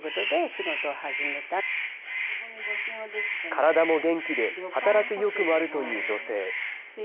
体も元気で、働く意欲もあるという女性。